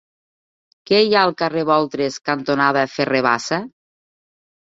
Què hi ha al carrer Boltres cantonada Ferrer Bassa?